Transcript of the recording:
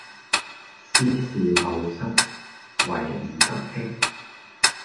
斯是陋室，惟吾德馨